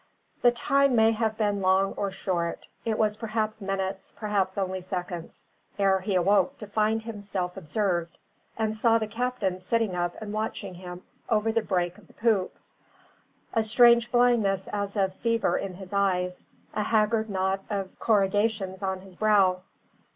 The time may have been long or short, it was perhaps minutes, perhaps only seconds, ere he awoke to find himself observed, and saw the captain sitting up and watching him over the break of the poop, a strange blindness as of fever in his eyes, a haggard knot of corrugations on his brow.